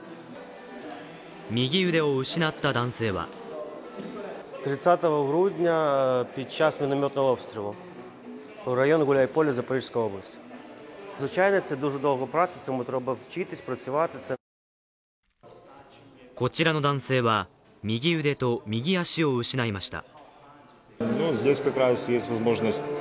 右腕を失った男性はこちらの男性は、右腕と右足を失いました。